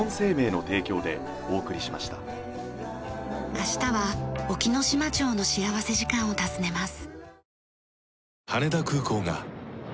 明日は隠岐の島町の幸福時間を訪ねます。